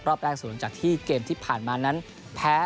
รอบแรกส่วนจากที่เกมที่ผ่านมาแผ้